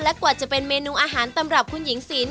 กว่าจะเป็นเมนูอาหารตำรับคุณหญิงศีล